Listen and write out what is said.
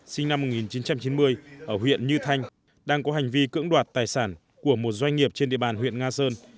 sinh năm một nghìn chín trăm chín mươi ở huyện như thanh đang có hành vi cưỡng đoạt tài sản của một doanh nghiệp trên địa bàn huyện nga sơn